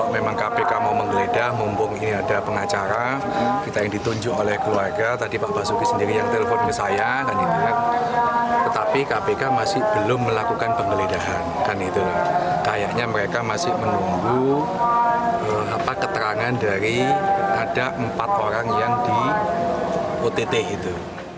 mereka masih menunggu keterangan dari ada empat orang yang di ott itu